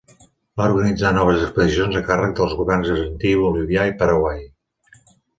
Va organitzar noves expedicions a càrrec dels governs argentí, bolivià i paraguai.